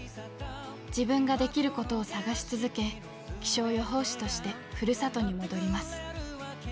自分ができることを探し続け気象予報士として故郷に戻ります。